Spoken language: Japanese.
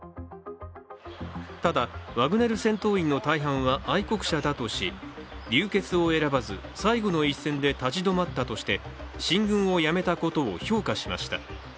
ただ、ワグネル戦闘員の大半は愛国者だとし、流血を選ばず、最後の一線で立ち止まったとして進軍をやめたことを評価しました。